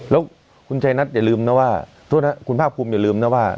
แล้วคุณชัยนัทอย่าลืมนะว่าโทษนะคุณภาคภูมิอย่าลืมนะว่า